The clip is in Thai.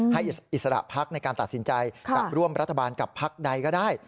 ให้อิสระพักธนตร์ในการตัดสินใจกว้าร่วมรัฐบาลกับพักธนตร์ใดก็ได้